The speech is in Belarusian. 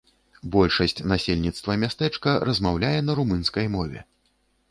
Большасць насельніцтва мястэчка размаўляе на румынскай мове.